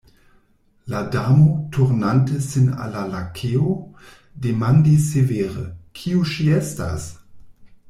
La Damo, turnante sin al la Lakeo, demandis severe: "Kiu ŝi estas?"